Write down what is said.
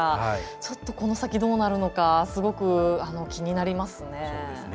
ちょっと、この先どうなるのかすごく気になりますね。